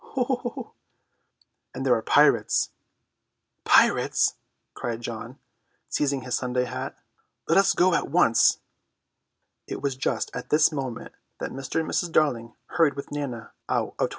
"Oo!" "And there are pirates." "Pirates," cried John, seizing his Sunday hat, "let us go at once." It was just at this moment that Mr. and Mrs. Darling hurried with Nana out of 27.